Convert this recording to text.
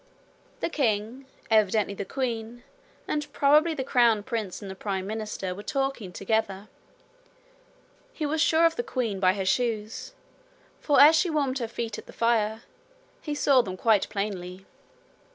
The king, evidently the queen, and probably the crown prince and the Prime Minister were talking together. He was sure of the queen by her shoes, for as she warmed her feet at the fire, he saw them quite plainly.